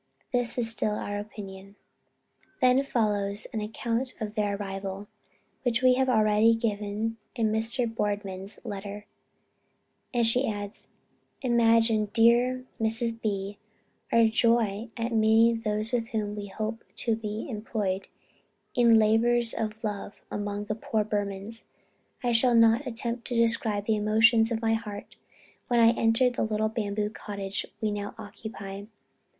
This is still our opinion." Then follows an account of their arrival, which we have already given in Mr. Boardman's letter, and she adds: "Imagine, dear Mrs. B. our joy at meeting those with whom we hope to be employed in labors of love among the poor Burmans. I shall not attempt to describe the emotions of my heart when I entered the little bamboo cottage we now occupy.